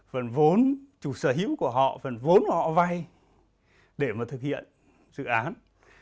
phần vốn chủ sở hữu của họ phần vốn họ vay để mà thực hiện dự án